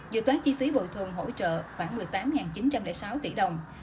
dự toán chi phí bồi thường hỗ trợ khoảng một mươi tám chín trăm linh sáu tỷ đồng